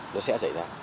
nó sẽ xảy ra